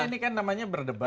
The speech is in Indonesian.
ini kan namanya berdebat